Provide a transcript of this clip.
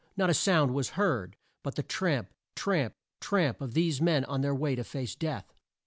Not a sound was heard, but the tramp tramp tramp of these men on their way to face death.